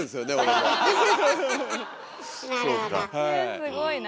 えすごいな。